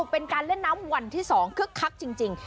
เป็นการเล่นน้ำวันที่๒คึกคักจริง